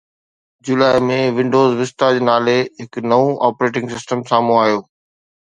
جولاءِ ۾، Windows Vista نالي هڪ نئون آپريٽنگ سسٽم سامهون آيو